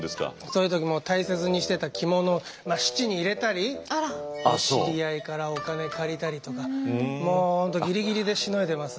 そういう時もう大切にしてた着物を質に入れたり知り合いからお金借りたりとかもう本当ギリギリでしのいでます。